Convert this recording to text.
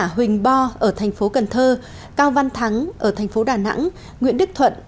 huỳnh bo ở thành phố cần thơ cao văn thắng ở thành phố đà nẵng nguyễn đức thuận